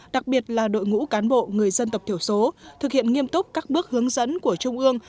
đặc biệt là đội ngũ cán bộ người dân tộc thiểu số thực hiện nghiêm túc các bước hướng dẫn của trung ương